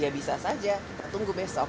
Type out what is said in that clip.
ya bisa saja kita tunggu besok